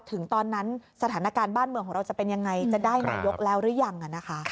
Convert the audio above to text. ถึงตอนนั้นสถานการณ์บ้านเมืองของเราจะเป็นยังไงจะได้นายกแล้วหรือยัง